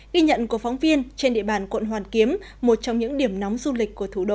ghi nhận của phóng viên trên địa bàn quận hoàn kiếm một trong những điểm nóng du lịch của thủ đô